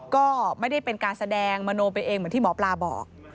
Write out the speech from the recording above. ก็ไม่ได้เป็นการแสดงมโนไปเองเหมือนที่หมอปลาบอก